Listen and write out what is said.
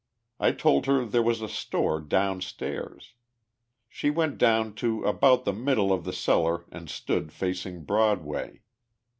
I told her there was a store down stairs. She went down to about the middle of the cellar and stood facing Broadway.